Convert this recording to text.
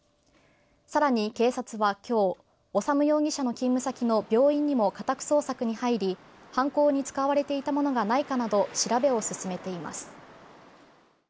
更に警察は今日修容疑者の勤務先の病院にも家宅捜索に入り犯行に使われていたものがないかなど調べを進めています。